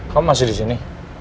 kamu masih disini